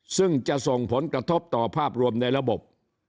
ซึ่งจะส่งผลกระทบต่อภาพรวมในระบบ